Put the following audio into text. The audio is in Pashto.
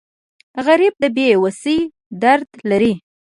غریب د بې وسۍ درد لري